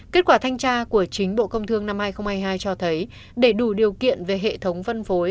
kết quả thanh tra của chính bộ công thương năm hai nghìn hai mươi hai cho thấy để đủ điều kiện về hệ thống phân phối